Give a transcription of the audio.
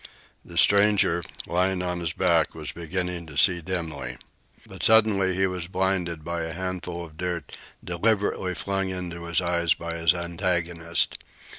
The stranger, lying on his back, was beginning to see dimly. But suddenly he was blinded by a handful of dirt deliberately flung into his eyes by his antagonist.